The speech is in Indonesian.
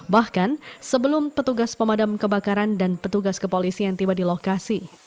bahkan sebelum petugas pemadam kebakaran dan petugas kepolisian tiba di lokasi